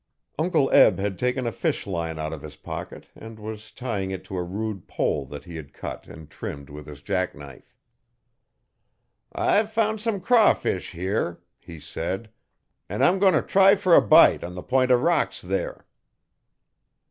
Uncle Eb had taken a fish line out of his pocket and was tying it to a rude pole that he had cut and trinmed with his jack knife. 'I've found some crawfish here,' he said, 'an' I'm goin' t' try fer a bite on the p'int O' rocks there.'